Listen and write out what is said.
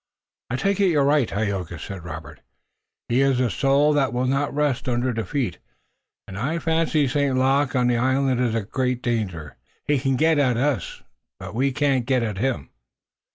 "I take it you're right, Tayoga," said Robert. "His is a soul that will not rest under defeat, and I fancy St. Luc on the island is a great danger. He can get at us and we can't get at him."